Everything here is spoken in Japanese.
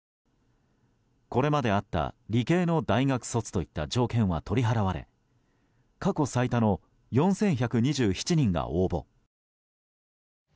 これまであった理系の大学卒といった条件は取り払われ過去最多の４１２７人が応募。